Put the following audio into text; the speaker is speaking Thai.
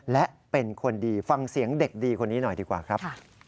และเป็นคนดีฟังเสียงเด็กดีคนนี้หน่อยดีกว่าครับ